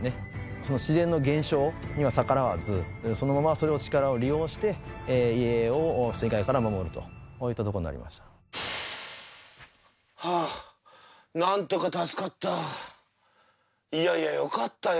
その自然の現象には逆らわずそのままその力を利用して家を水害から守るとこういったとこになりましたはあ何とか助かったいやいやよかったよ